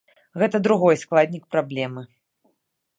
Гэта другой складнік праблемы.